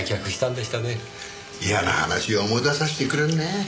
嫌な話を思い出させてくれるね。